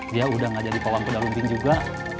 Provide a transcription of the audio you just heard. dia udah gak jadi pawang pedalubin juga